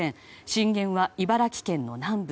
震源は茨城県の南部。